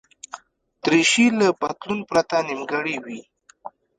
دریشي له پتلون پرته نیمګړې وي.